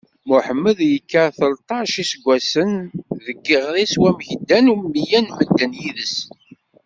Muḥemmed yekka tleṭṭac iseggasen d tiɣri s wamek ddan mya n medden yid-s.